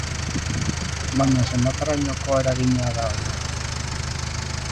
Baina zenbaterainoko eragina da hori?